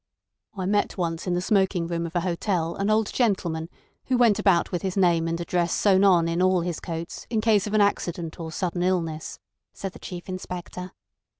"I met once in the smoking room of a hotel an old gentleman who went about with his name and address sewn on in all his coats in case of an accident or sudden illness," said the Chief Inspector.